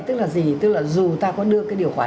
tức là gì tức là dù ta có đưa cái điều khoản